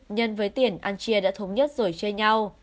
nhân với tiền ăn chia đã thống nhất rồi chơi nhau